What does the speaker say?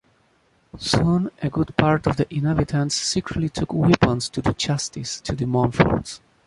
Soon a good part of the inhabitants secretly took weapons to do justice to the Montforts.